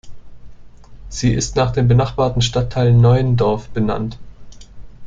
Sie ist nach dem benachbarten Stadtteil Neuendorf benannt.